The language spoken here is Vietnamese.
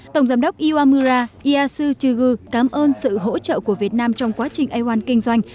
tổng giám đốc iwamura iyashichigu cảm ơn sự hỗ trợ của việt nam trong quá trình aom kinh doanh